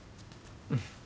うん。